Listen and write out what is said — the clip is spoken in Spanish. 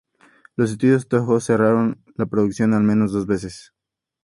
Los estudios Tōhō cerraron la producción al menos dos veces.